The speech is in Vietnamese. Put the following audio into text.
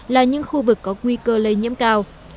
là những khu vực có nguy cơ lây nhiễm cao